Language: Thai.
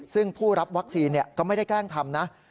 ซึ่งผู้รับวัคซีนก็ไม่ได้แกล้งทำนะ